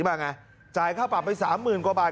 มาไงจ่ายค่าปรับไป๓๐๐๐กว่าบาท